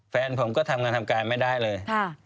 แฟนผมก็ทำงานทำการไม่ได้เลย